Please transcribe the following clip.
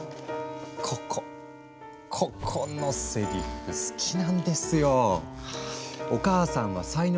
ここここのせりふ好きなんですよ。